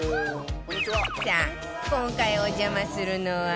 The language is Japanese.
さあ今回お邪魔するのは